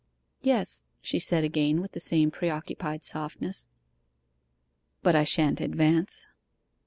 'Yes,' she said again, with the same preoccupied softness. 'But I shan't advance.